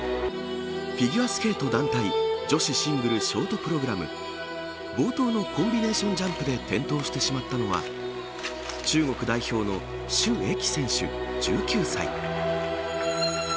フィギュアスケート団体女子シングルショートプログラム冒頭のコンビネーションジャンプで転倒してしまったのは中国代表のシュ・エキ選手、１９才。